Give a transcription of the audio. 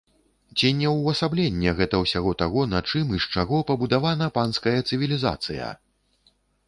Ці не ўвасабленне гэта ўсяго таго, на чым і з чаго пабудавана панская цывілізацыя!